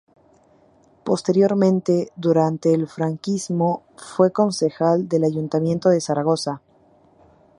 Posteriormente, durante el franquismo, fue concejal del Ayuntamiento de Zaragoza.